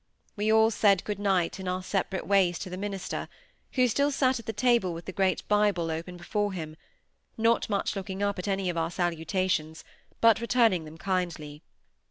We all said good night in our separate ways to the minister, who still sate at the table with the great Bible open before him, not much looking up at any of our salutations, but returning them kindly.